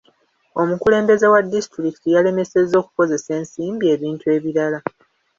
Omukulembeze wa disitulikiti yalemesezza okukozesa ensimbi ebintu ebirala.